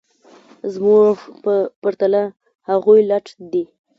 زموږ په پرتله هغوی لټ دي